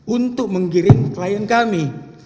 untuk menggiring klien kami